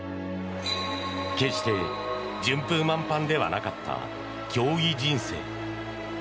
決して順風満帆ではなかった競技人生。